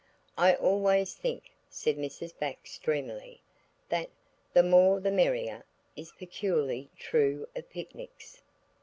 "I always think," said Mrs. Bax dreamily, "that 'the more the merrier' is peculiarly true of picnics.